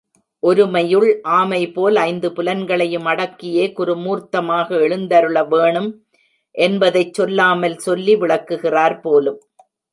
ஒருமையுள் ஆமை போல் ஐந்து புலன்களையும் அடக்கியே குருமூர்த்தமாக எழுந்தருளவேணும் என்பதைச் சொல்லாமல் சொல்லி விளக்குகிறார் போலும்.